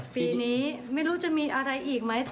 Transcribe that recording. ปีนี้ไม่รู้จะมีอะไรอีกไหม